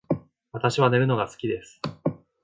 私は寝るのが好きです